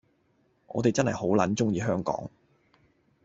我哋真係好撚鍾意香港